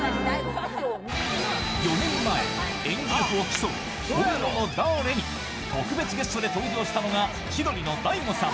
４年前演技力を競う「ホンモノだぁれ」の特別ゲストに登場したのが千鳥の大悟さん。